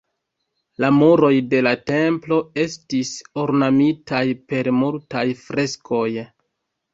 La muroj de la templo estis ornamitaj per multaj freskoj.